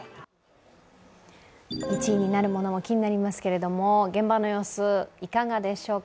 １位になるものも気になりますけれども、現場の様子、いかがでしょうか。